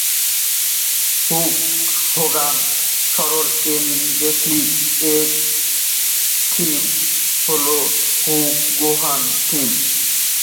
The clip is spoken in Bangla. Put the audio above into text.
"Hook Hogan's rock 'n' wrestling" এর থিম হল "হুক হোগান'স থিম"।